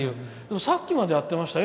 さっきまでやってましたよ。